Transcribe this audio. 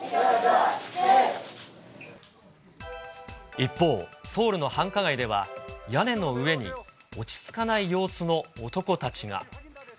一方、ソウルの繁華街では屋根の上に、落ち着かない様子の男たちが。